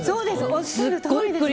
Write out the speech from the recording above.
おっしゃるとおりです。